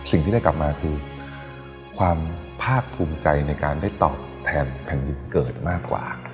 สิ่งที่ได้กลับมาคือความภาคภูมิใจในการได้ตอบแทนแผ่นดินเกิดมากกว่า